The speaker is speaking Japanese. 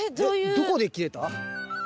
どこで切れた？